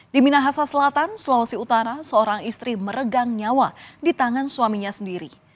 di minahasa selatan sulawesi utara seorang istri meregang nyawa di tangan suaminya sendiri